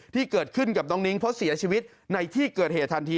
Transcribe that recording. ที่เกิดขึ้นกับน้องนิ้งเพราะเสียชีวิตในที่เกิดเหตุทันที